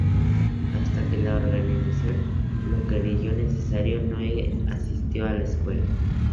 Hasta que la Organización lo creyó necesario no asistió a la escuela.